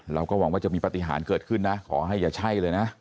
เราก็หวังว่าจะมีปฏิหารเกิดขึ้นนะขอให้อย่าใช่เลยนะ